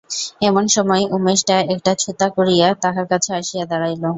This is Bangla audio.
এমন সময় উমেশটা একটা ছুতা করিয়া তাহার কাছে আসিয়া দাঁড়াইল।